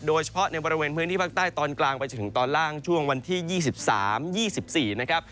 โดยเฉพาะในบริเวณพื้นที่ภาคใต้ตอนกลางไปจนถึงตอนล่างช่วงวันที่๒๓๒๔นะครับ